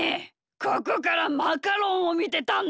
ここからマカロンをみてたんだ。